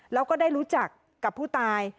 แล้วก็ได้รู้จักกับผู้ตาย